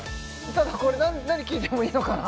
ただこれ何聞いてもいいのかな？